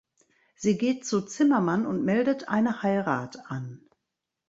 Sie geht zu Zimmermann und meldet eine Heirat an.